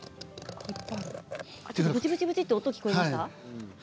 ぶちぶちぶちと音が聞こえましたか。